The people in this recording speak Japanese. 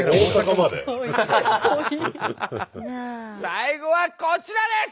最後はこちらです！